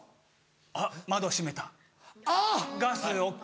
あっ窓閉めたガスＯＫ。